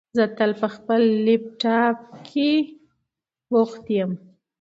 زه تل په خپل لپټاپ کېښې بوښت یم